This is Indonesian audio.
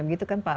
begitu kan pak